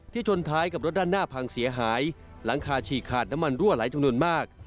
ชนท้ายกับรถด้านหน้าพังเสียหายหลังคาฉีกขาดน้ำมันรั่วไหลจำนวนมาก